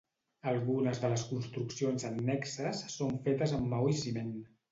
Algunes de les construccions annexes són fetes amb maó i ciment.